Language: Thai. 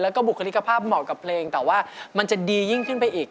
แล้วก็บุคลิกภาพเหมาะกับเพลงแต่ว่ามันจะดียิ่งขึ้นไปอีก